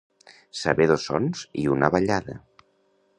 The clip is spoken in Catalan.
Saber dos sons i una ballada.